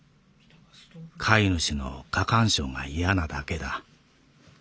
飼い主の過干渉が嫌なだけだ。